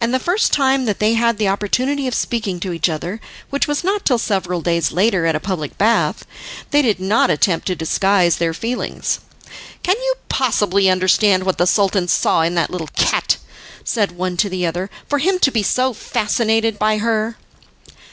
And the first time that they had the opportunity of speaking to each other, which was not till several days later at a public bath, they did not attempt to disguise their feelings. "Can you possibly understand what the Sultan saw in that little cat," said one to the other, "for him to be so fascinated by her?"